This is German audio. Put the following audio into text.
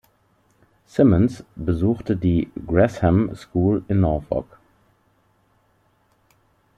Symonds besuchte die Gresham’s School in Norfolk.